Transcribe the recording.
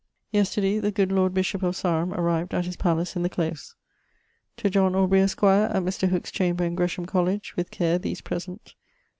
] Yesterday the good lord bishop of Sarum arrived att his pallace in the Close. To John Aubrey, esq., att Mr. Hooke's chamber in Gresham Colledge with care these present.